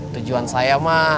tujuan saya mah